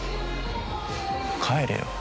帰れよ。